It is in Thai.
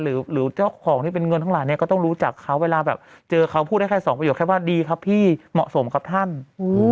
หรือเจ้าของที่เป็นเงินทั้งหลายเนี่ยก็ต้องรู้จักเขาเวลาแบบเจอเขาพูดได้แค่สองประโยคแค่ว่าดีครับพี่เหมาะสมครับท่านอืม